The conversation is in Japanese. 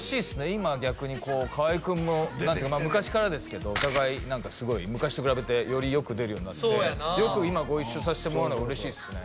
今逆にこう河合君も昔からですけどお互い何かすごい昔と比べてよりよく出るようになってそうやなよく今ご一緒さしてもらうのが嬉しいっすね